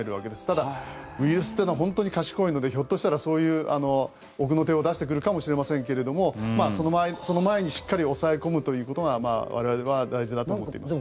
ただ、ウイルスというのは本当に賢いのでひょっとしたらそういう奥の手を出してくるかもしれませんけどもその前にしっかり抑え込むということが我々は大事だと思っています。